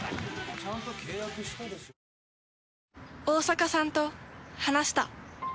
大坂さんと話した。